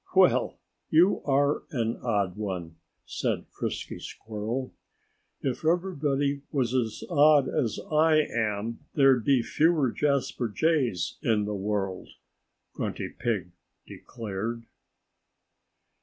"Well, you are an odd one," said Frisky Squirrel. "If everybody was as odd as I am there'd be fewer Jasper Jays in the world," Grunty Pig declared.